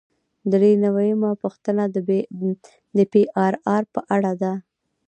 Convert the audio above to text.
درې نوي یمه پوښتنه د پی آر آر په اړه ده.